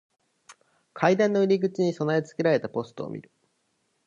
階段の入り口に備え付けられたポストを見る。